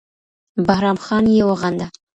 بهرام خان یې وغنده